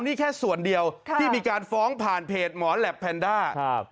นี่แค่ส่วนเดียวที่มีการฟ้องผ่านเพจหมอแหลปแพนด้า